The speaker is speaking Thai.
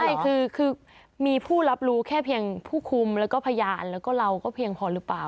ใช่คือมีผู้รับรู้แค่เพียงผู้คุมแล้วก็พยานแล้วก็เราก็เพียงพอหรือเปล่า